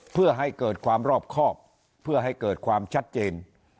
เพื่อให้เกิดความรอบครอบเพื่อให้เกิดความชัดเจน